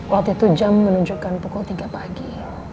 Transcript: waktu itu jam menunjukkan pukul tiga pagi